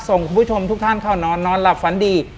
คุณผู้ชมทุกท่านเข้านอนนอนหลับฝันดี